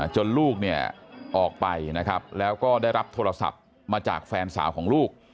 ลูกเนี่ยออกไปนะครับแล้วก็ได้รับโทรศัพท์มาจากแฟนสาวของลูก